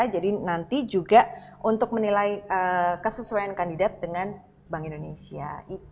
jadi nanti juga untuk menilai kesesuaian kandidat dengan bank indonesia